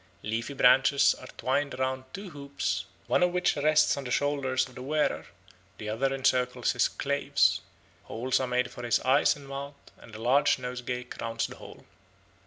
Leafy branches are twined round two hoops, one of which rests on the shoulders of the wearer, the other encircles his claves; holes are made for his eyes and mouth; and a large nosegay crowns the whole.